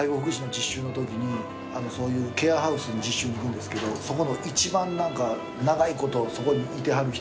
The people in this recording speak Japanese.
そういうケアハウスに実習に行くんですけどそこの一番何か長いことそこにいてはる人。